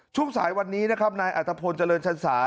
ช่วงสายวันนี้นะครับนายอัตภพลเจริญชันศา